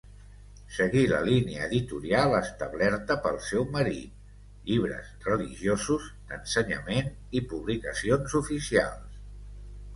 Seguí la línia editorial establerta pel seu marit: llibres religiosos, d'ensenyament i publicacions oficials.